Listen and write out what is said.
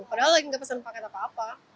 padahal lagi nggak pesen paket apa apa